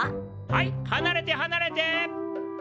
はいはなれてはなれて。